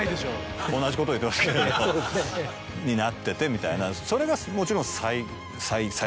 同じこと言ってますけどになっててみたいな。